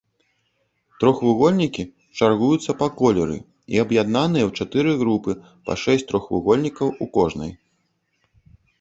Трохвугольнікі чаргуюцца па колеры і аб'яднаныя ў чатыры групы па шэсць трохвугольнікаў у кожнай.